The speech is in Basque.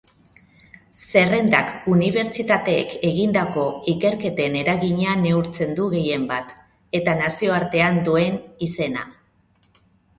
Zerrendak unibertsitateek egindako ikerketen eragina neurtzen du gehienbat, eta nazioartean duen izena.